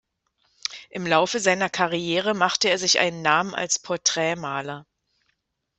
Im Laufe seiner Karriere machte er sich einen Namen als Porträtmaler.